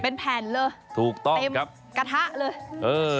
เป็นแผ่นเลยเต็มกระทะเลย